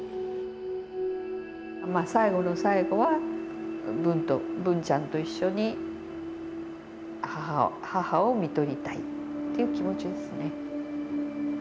最期の最期は文と文ちゃんと一緒に母を看取りたい。っていう気持ちですね。